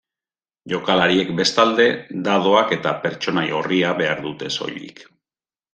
Jokalariek bestalde, dadoak eta pertsonai orria behar dute soilik.